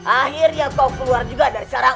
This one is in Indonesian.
akhirnya kamu juga keluar dengan dengannya